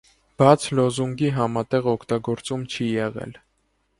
Բայց լոզունգի համատեղ օգտագործում չի եղել։